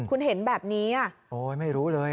คุณเห็นแบบนี้อ่ะโอ้ยไม่รู้เลย